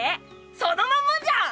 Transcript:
そのまんまじゃん！